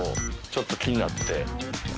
ちょっと気になってて。